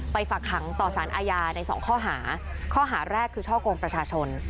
ฝักขังต่อสารอาญาในสองข้อหาข้อหาแรกคือช่อกงประชาชน